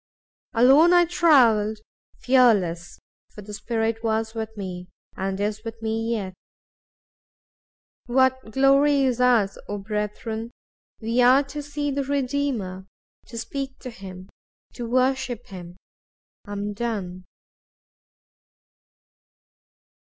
Alone I traveled, fearless, for the Spirit was with me, and is with me yet. What glory is ours, O brethren! We are to see the Redeemer—to speak to him—to worship him! I am done."